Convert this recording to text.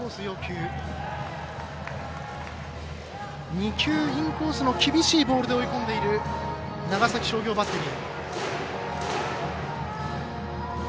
２球インコースの厳しいボールで追い込んでいる長崎商業バッテリー。